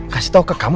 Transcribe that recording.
kasih tau ke kamu